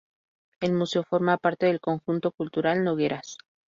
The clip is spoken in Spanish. El museo forma parte del conjunto cultural Nogueras.